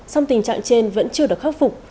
song tình trạng trên vẫn chưa được khắc phục